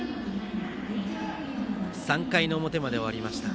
３回の表まで終わりました。